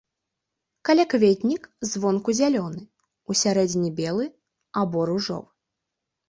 Калякветнік звонку зялёны, усярэдзіне белы або ружовы.